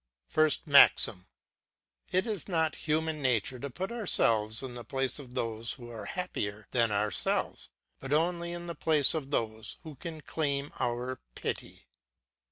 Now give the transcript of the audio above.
FIRST MAXIM. It is not in human nature to put ourselves in the place of those who are happier than ourselves, but only in the place of those who can claim our pity.